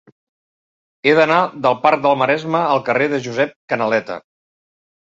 He d'anar del parc del Maresme al carrer de Josep Canaleta.